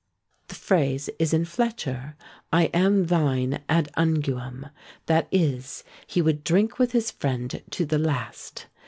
The phrase is in Fletcher: I am thine ad unguem that is, he would drink with his friend to the last.